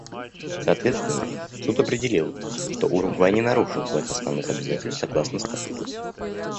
Соответственно Суд определил, что Уругвай не нарушил своих основных обязательств согласно статуту.